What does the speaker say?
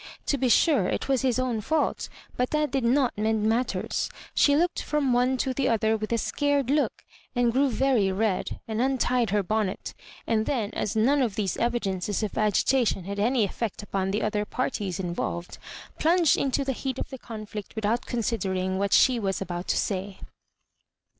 To be sure, it was his own fault ; but that did not mend matters. She looked fit>m one to the other with a scared look, and grew very red, and untied her bonnet ; and then, as none of these evidencea of agitation had any effect upon the other parties involved, plunged into the heat of the conflict without con^dering what she was about to say.